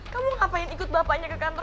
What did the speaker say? kamu ngapain ikut bapaknya ke kantor